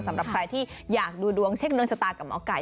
สำหรับใครที่อยากดูดวงเช็คดวงชะตากับหมอไก่